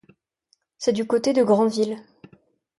C’est du côté de Granville.